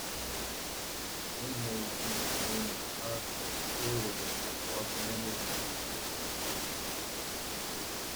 In May, he was named "archistrategos" or commander-in-chief.